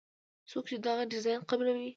څوک چې دغه ډیزاین قبلوي.